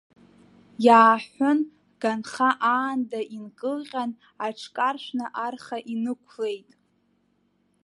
Иааҳәын, ганха аанда инкылҟьан, аҽкаршәны арха инықәлеит.